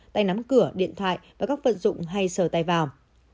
tay nắm cửa điện thoại và các vận dụng hay sờ tay vào